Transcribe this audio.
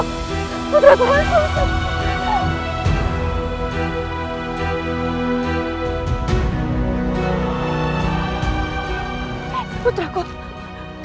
di sesudahnya dihinfirasi resident